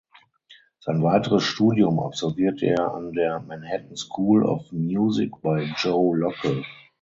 Sein weiteres Studium absolvierte er an der Manhattan School of Music bei Joe Locke.